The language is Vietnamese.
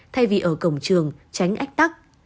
thay vì ở cổng trường tránh ách tắc